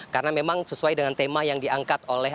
karena memang sesuai dengan tema yang diangkat oleh